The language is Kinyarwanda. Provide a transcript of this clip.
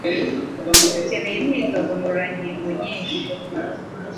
bukeneye imyitozo ngororangingo myinshi